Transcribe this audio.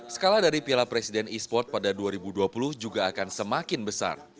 skala dari piala presiden e sport pada dua ribu dua puluh juga akan semakin besar